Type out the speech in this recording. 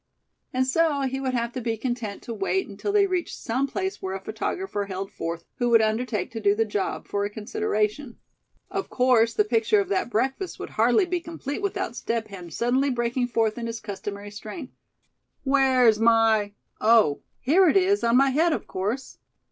And so he would have to be content to wait until they reached some place where a photographer held forth, who would undertake to do the job, for a consideration. Of course the picture of that breakfast would hardly be complete without Step Hen suddenly breaking forth in his customary strain: "Where's my oh, here it is, on my head, of course!